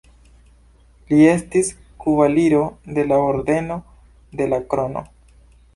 Li estis kavaliro de la Ordeno de la Krono.